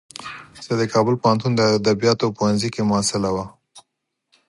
چې د کابل پوهنتون د ادبیاتو پوهنځی کې محصله وه.